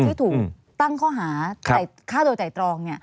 ที่ถูกตั้งข้อหาฆ่าโดยไตรตรอง